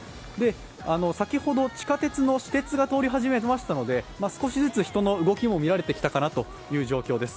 先ほど、地下鉄の私鉄が通り始めましたので、少しずつ人の動きも見られてきたかなという状況です。